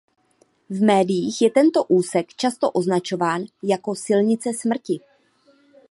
V médiích je tento úsek často označován jako "silnice smrti".